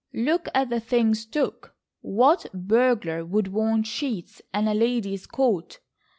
Look at the things took. What burglar would want sheets and a lady's coat?